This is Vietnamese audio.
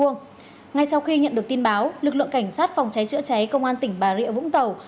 ngay sau khi nhận được tin báo lực lượng cảnh sát phòng cháy chữa cháy công an tỉnh bà rịa vũng tàu